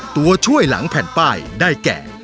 ตัวช่วยหลังแผ่นป้ายได้แก่